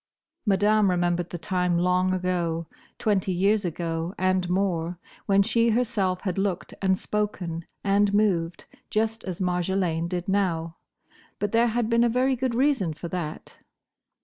Madame remembered the time—long ago: twenty years ago and more—when she herself had looked and spoken and moved, just as Marjolaine did now; but there had been a very good reason for that.